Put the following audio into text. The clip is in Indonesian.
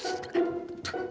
ya ya gak